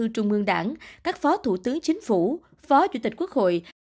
trường mương đảng các phó thủ tướng chính phủ phó chủ tịch quốc hội